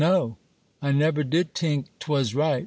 'No,—I neber did tink 'twas right.